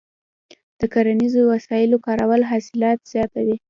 د کرنیزو وسایلو کارول حاصلات زیاتوي.